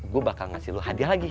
gua bakal ngasih lu hadiah lagi